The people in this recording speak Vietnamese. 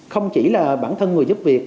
không chỉ là bản thân người giúp việc